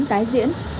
cóng tái diễn